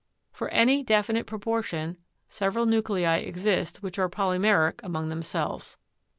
For any definite propor tion, several nuclei exist which are polymeric among themselves.